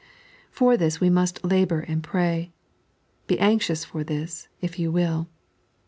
For this we must labour and pray. Be anxious for this, if you will.